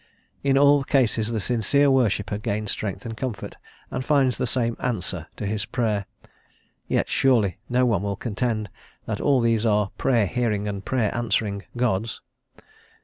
In all cases the sincere worshipper gains strength and comfort, and finds the same "answer" to his Prayer. Yet surely no one will contend that all these are "Prayer hearing and Prayer answering" Gods?